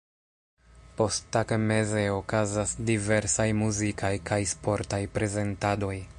Posttagmeze okazas diversaj muzikaj kaj sportaj prezentadoj.